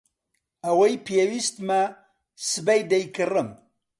ئەوەی پێویستمە سبەی دەیکڕم.